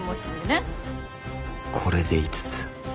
これで５つ。